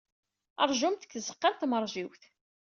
Ṛjumt deg tzeɣɣa n tmeṛjiwt.